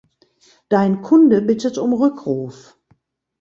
Dein Kunde bittet um Rückruf.